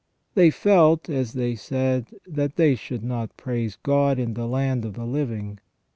They felt, as they said, that they should not praise God in the land of the living.